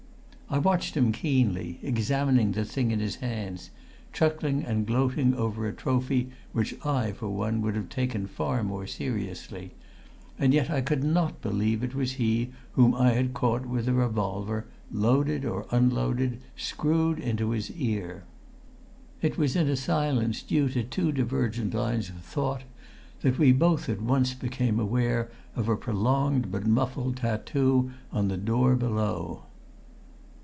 I watched him keenly examining the thing in his hands, chuckling and gloating over a trophy which I for one would have taken far more seriously; and I could not believe it was he whom I had caught with a revolver, loaded or unloaded, screwed into his ear. It was in a silence due to two divergent lines of thought that we both at once became aware of a prolonged but muffled tattoo on the door below.